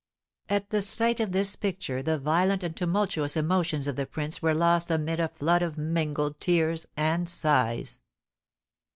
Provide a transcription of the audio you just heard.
At the sight of this picture the violent and tumultuous emotions of the prince were lost amid a flood of mingled tears and sighs.